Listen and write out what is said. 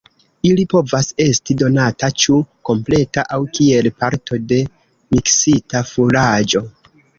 Ili povas esti donata ĉu kompleta aŭ kiel parto de miksita furaĝo.